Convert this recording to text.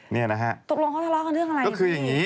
นี่เข้า